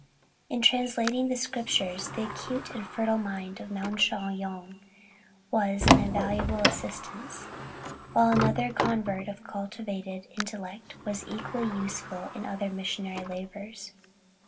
In translating the Scriptures, the acute and fertile mind of Moung Shwa gnong was an invaluable assistance, while another convert of cultivated intellect was equally useful in other missionary labors.